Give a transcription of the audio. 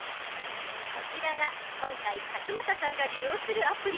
こちらが今回勝俣さんが利用するアプリ。